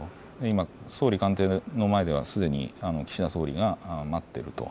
今、総理官邸の前ではすでに岸田総理が待っていると。